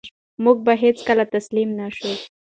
موږ به هېڅکله تسلیم نه شو.